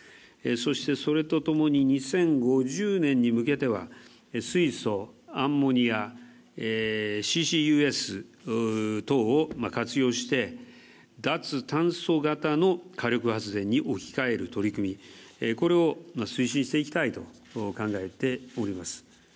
そして、それとともに２０５０年に向けては水素、アンモニアＣＣＵＳ等を活用して脱炭素型の火力発電に置き換える取り組み、これを推進していきたいと考えております。